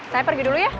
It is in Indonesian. saya pergi dulu ya